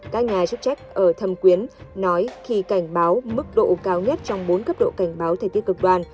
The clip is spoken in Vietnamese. các nhà chức trách ở thâm quyến nói khi cảnh báo mức độ cao nhất trong bốn cấp độ cảnh báo thời tiết cực đoan